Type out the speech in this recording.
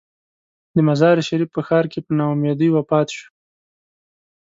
د مزار شریف په ښار کې په نا امیدۍ وفات شو.